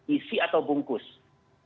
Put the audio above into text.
isi atau bungkusan